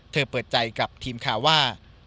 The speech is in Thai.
เปิดใจกับทีมข่าวว่า